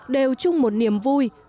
đều chung một niềm vui